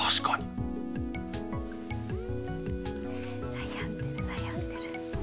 悩んでる悩んでる。